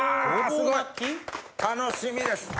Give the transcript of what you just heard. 楽しみです。